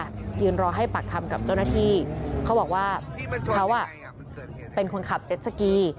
ยืนรอให้ปากคำกับเจ้าหน้าที่เขาบอกว่าเขาอ่ะเป็นคนขับเจ็ดสกี